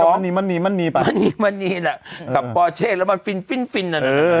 มันนีมันนีมันนีมันนีมันนีมันนีแหละเออแล้วมันฟินฟินฟินน่ะเออเออเออ